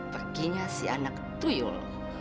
perginya si anak tuyul